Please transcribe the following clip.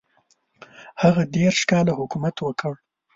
هغه دېرش کاله حکومت وکړ.